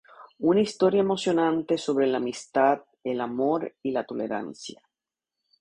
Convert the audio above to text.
Una historia emocionante sobre la amistad, el amor y la tolerancia.